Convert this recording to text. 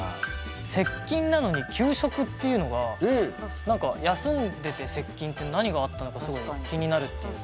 「接近」なのに「休職」っていうのがなんか休んでて接近って何があったのかすごい気になるっていうか。